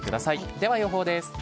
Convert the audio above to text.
では予報です。